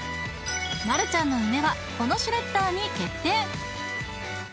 マルちゃんの梅はこのシュレッダーに決定！